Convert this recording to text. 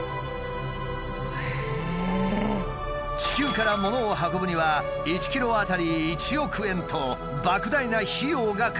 地球から物を運ぶには１ｋｇ当たり１億円と莫大な費用がかかるため。